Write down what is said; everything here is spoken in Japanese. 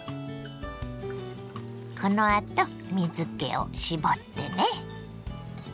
このあと水けを絞ってね。